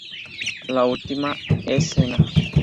La última es cena.